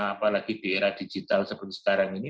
apalagi di era digital seperti sekarang ini